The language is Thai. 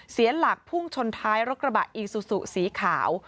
เสียหลักพุ่งชนท้ายรถกระบะอีซูซูสีขาว